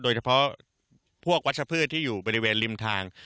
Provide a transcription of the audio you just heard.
โดยเฉพาะพวกวัชพืชที่อยู่บริเวณริมทาง